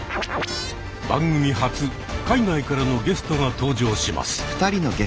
番組初海外からのゲストが登場します。